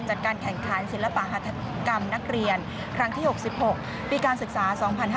จัดการแข่งขันศิลปหัฐกรรมนักเรียนครั้งที่๖๖ปีการศึกษา๒๕๕๙